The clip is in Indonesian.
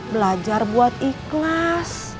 belajar buat ikhlas